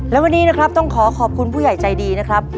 และวันนี้นะครับต้องขอขอบคุณผู้ใหญ่ใจดีนะครับ